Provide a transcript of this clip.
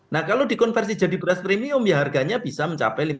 nah kalau dikonversi jadi beras premium ya harganya bisa mencapai rp lima belas